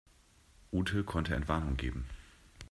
Ute konnte Entwarnung geben.